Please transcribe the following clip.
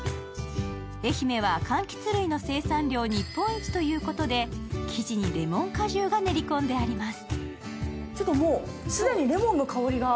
愛媛はかんきつ類の生産量日本一ということで生地にレモン果汁が練り込んであります。